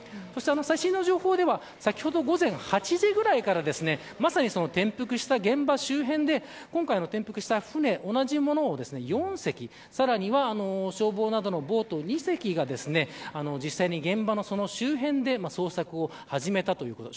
最新の情報では先ほど午前８時ぐらいからまさに転覆した現場周辺で今回の転覆した舟、同じものを４隻、さらには消防などのボート２隻が実際に現場の周辺で捜索を始めたということです。